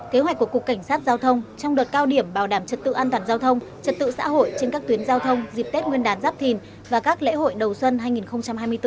kế hoạch của cục cảnh sát giao thông trong đợt cao điểm bảo đảm trật tự an toàn giao thông trật tự xã hội trên các tuyến giao thông dịp tết nguyên đán giáp thìn và các lễ hội đầu xuân hai nghìn hai mươi bốn